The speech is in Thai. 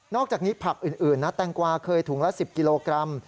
อกจากนี้ผักอื่นนะแตงกวาเคยถุงละ๑๐กิโลกรัม